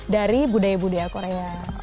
dari budaya budaya korea